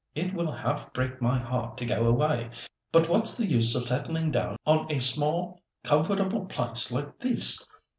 It will half break my heart to go away, but what's the use of settling down on a small comfortable place like this?